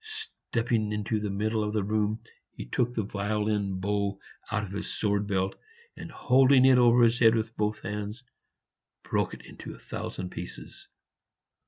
Stepping into the middle of the room, he took the violin bow out of his sword belt, and, holding it over his head with both hands, broke it into a thousand pieces.